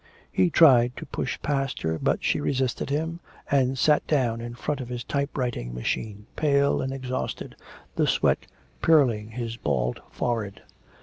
He tried to push past her, but she resisted him, and sat down in front of his type writing machine, pale and exhausted, the sweat pearling his bald forehead.